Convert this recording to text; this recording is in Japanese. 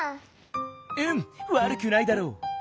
うんわるくないだろう。